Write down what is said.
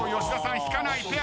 吉田さん引かない。